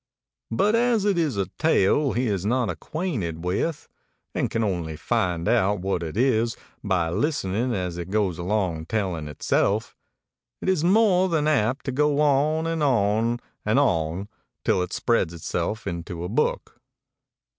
But as it is a tale he is not acquainted with, and can only find out what it is by listening as it goes along telling itself, it is more than apt to go on and on and on till it spreads itself into a book.